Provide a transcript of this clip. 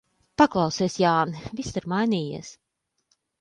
Paklausies, Jāni, viss ir mainījies.